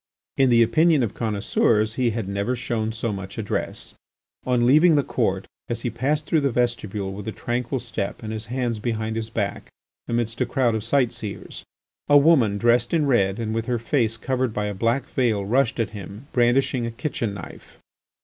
In the opinion of connoisseurs he had never shown so much address. On leaving the court, as he passed through the vestibule with a tranquil step, and his hands behind his back, amidst a crowd of sight seers, a woman dressed in red and with her face covered by a black veil rushed at him, brandishing a kitchen knife.